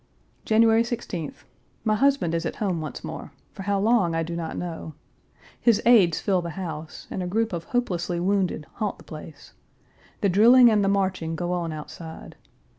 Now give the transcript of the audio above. January 16th. My husband is at home once more for how long, I do not know. His aides fill the house, and a group of hopelessly wounded haunt the place. The drilling and the marching go on outside.